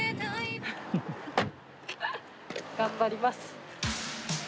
頑張ります。